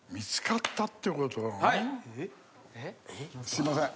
すいません